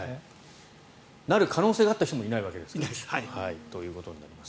なる可能性があった人もいないわけですから。ということです。